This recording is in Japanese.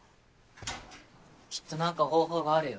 きっと何か方法があるよ。